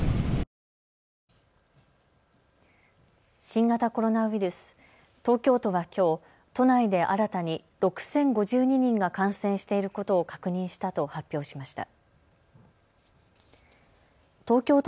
新型コロナウイルス東京都はきょう、都内で新たに６０５２人が感染していることを確認したと発表しました。